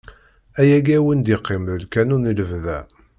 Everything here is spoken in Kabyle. Ayagi ad wen-d-iqqim d lqanun i lebda.